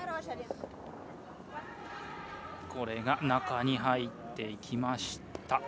中に入っていきました。